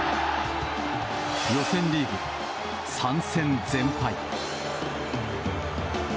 予選リーグ３戦全敗。